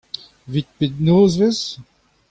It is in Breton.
Evit pet nozvezh ?